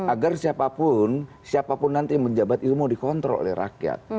agar siapapun siapapun nanti yang menjabat ilmu dikontrol oleh rakyat